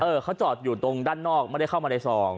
เขาจอดอยู่ตรงด้านนอกไม่ได้เข้ามาในซอง